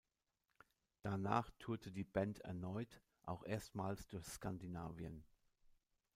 Danach tourte die Band erneut, auch erstmals durch Skandinavien.